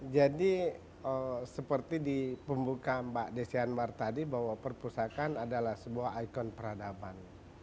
jadi seperti di pembuka mbak desyanmar tadi bahwa perpustakaan adalah sebuah ikon peradaban